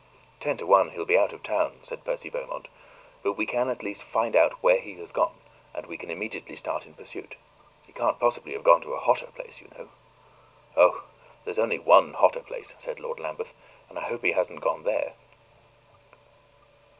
"Ten to one he'll be out of town," said Percy Beaumont; "but we can at least find out where he has gone, and we can immediately start in pursuit. He can't possibly have gone to a hotter place, you know." "Oh, there's only one hotter place," said Lord Lambeth, "and I hope he hasn't gone there."